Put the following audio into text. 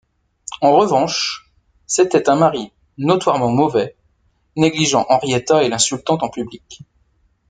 En revanche, c’était un mari notoirement mauvais, négligeant Henrietta et l’insultant en public.